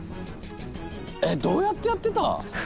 えっどうやってやってた？ハハハ。